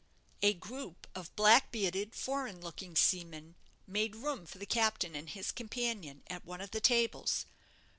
A group of black bearded, foreign looking seamen made room for the captain and his companion at one of the tables.